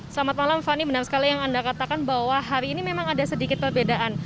selamat malam fani benar sekali yang anda katakan bahwa hari ini memang ada sedikit perbedaan